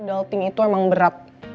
adulting itu emang berat